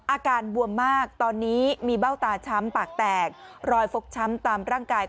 อาการบวมมากตอนนี้มีเบ้าตาช้ำปากแตกรอยฟกช้ำตามร่างกาย